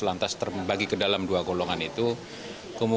lantas terbagi ke dalam